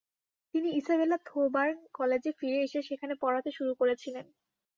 তিনি Isabella Thoburn কলেজে ফিরে এসে সেখানে পড়াতে শুরু করেছিলেন।